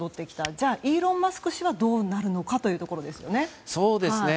じゃあ、イーロン・マスク氏はどうなるのかというところですよね。